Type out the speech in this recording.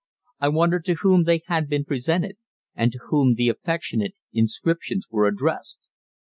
I wondered to whom they had been presented, and to whom the affectionate inscriptions were addressed.